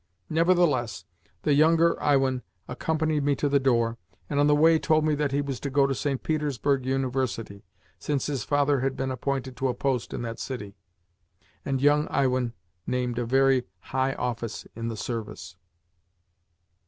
Nevertheless the younger Iwin accompanied me to the door, and on the way told me that he was to go to St. Petersburg University, since his father had been appointed to a post in that city (and young Iwin named a very high office in the service).